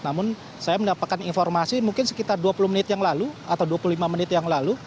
namun saya mendapatkan informasi mungkin sekitar dua puluh menit yang lalu atau dua puluh lima menit yang lalu